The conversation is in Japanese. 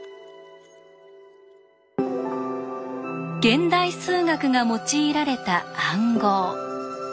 現代数学が用いられた暗号。